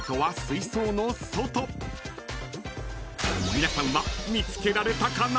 ［皆さんは見つけられたかな？］